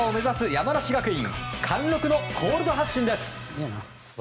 山梨学院貫禄のコールド発進です。